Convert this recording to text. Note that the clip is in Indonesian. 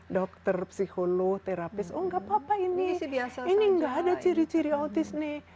dokter psiholog terapis oh enggak apa apa ini ini enggak ada ciri ciri otis nih